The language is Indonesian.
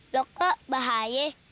loh kok bahaya